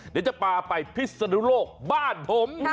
เดี๋ยวจะพาไปพิศนุโลกบ้านผม